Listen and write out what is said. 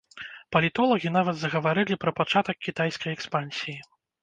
Палітолагі нават загаварылі пра пачатак кітайскай экспансіі.